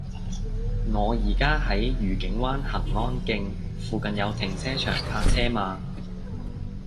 我依家喺愉景灣蘅安徑，附近有停車場泊車嗎